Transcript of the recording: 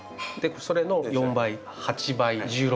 それの４倍８倍１６倍。